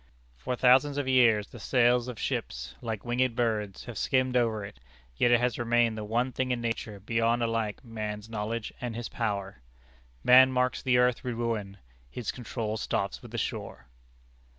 For thousands of years the sails of ships, like winged birds, have skimmed over it, yet it has remained the one thing in nature beyond alike man's knowledge and his power: Man marks the earth with ruin, His control stops with the shore.